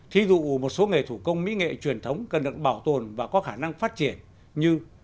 thí dụ một số nghề thủ công mỹ nghệ truyền thống cần được bảo tồn và có khả năng phát triển như